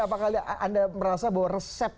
apakah anda merasa bahwa resep